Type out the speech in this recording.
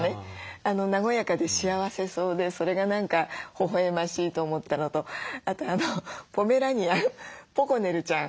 和やかで幸せそうでそれが何かほほえましいと思ったのとあとあのポメラニアンポコネルちゃん